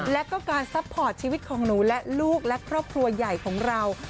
และก็การซัพพอร์ตชีวิตของหนูและลูกและครอบครัวใหญ่ของเรา